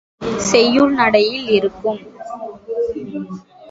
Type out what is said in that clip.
செய்யுள் நடையில் இருக்கும்.